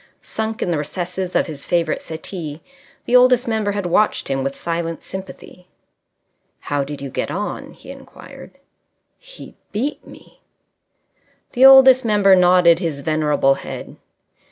Sunk in the recesses of his favourite settee the Oldest Member had watched him with silent sympathy. "How did you get on?" he inquired. "He beat me." The Oldest Member nodded his venerable head.